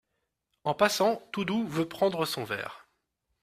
En passant, Toudoux veut prendre son verre.